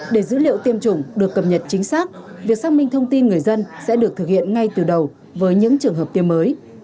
để dữ liệu tiêm chủng được cập nhật chính xác việc xác minh thông tin người dân sẽ được thực hiện ngay từ đầu với những trường hợp tiêm mới